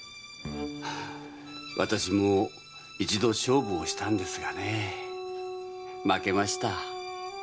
私も一度勝負をしたんですがね負けました。